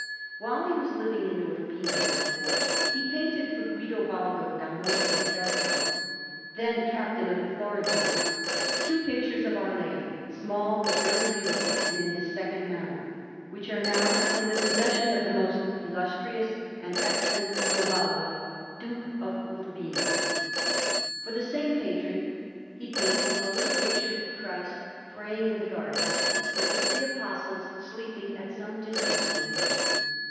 While he was living in Urbino, therefore, he painted for Guidobaldo da Montefeltro, then Captain of the Florentines, two pictures of Our Lady, small but very beautiful, and in his second manner, which are now in the possession of the most illustrious and excellent Guidobaldo, Duke of Urbino. For the same patron he painted a little picture of Christ praying in the Garden, with the three Apostles sleeping at some distance from Him.